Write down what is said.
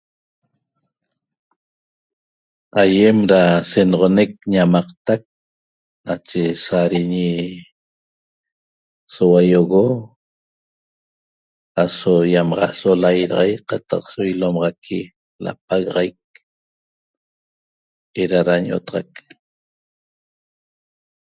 Aiem ra senoxonec ñamaqtac nache saariñi soua iogo aso iamaxaso lairaxaic taq so ilomaxaqui lapagaxaic, era ra ñotaxac